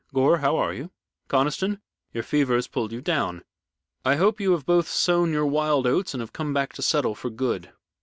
Gore, how are you? Conniston, your fever has pulled you down. I hope you have both sown your wild oats and have come back to settle for good."